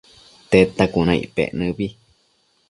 Tedta cuna icpec nëbi